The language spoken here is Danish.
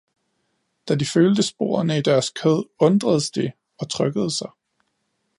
Da de følte sporene i deres kød, undredes de og trykkede sig.